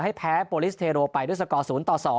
ให้แพ้โปรลิสเทโรไปด้วยสกศูนย์ต่อ๒